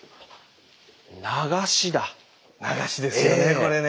流しですよねこれね。